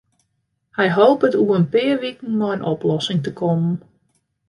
Hy hopet oer in pear wiken mei in oplossing te kommen.